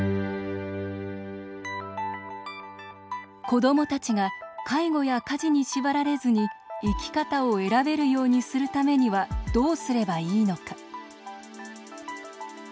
子どもたちが介護や家事に縛られずに生き方を選べるようにするためにはどうすればいいのか。